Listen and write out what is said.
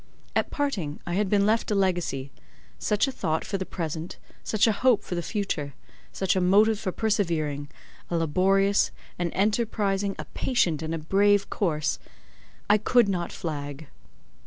At parting, I had been left a legacy; such a thought for the present, such a hope for the future, such a motive for a persevering, a laborious, an enterprising, a patient and a brave course—I could not flag.